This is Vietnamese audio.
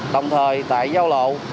đồng thời tại giao lộ